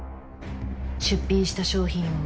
出品した商品を